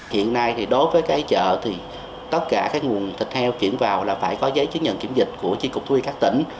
hiện nay đối với chợ tất cả nguồn thịt heo chuyển vào phải có giấy chứng nhận kiểm dịch của tri cục thu y các tỉnh